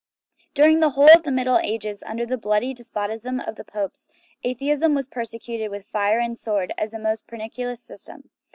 During the whole of the Middle Ages, under the bloody despotism of the popes, atheism was persecuted with fire and sword as a most pernicious system.